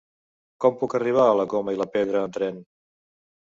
Com puc arribar a la Coma i la Pedra amb tren?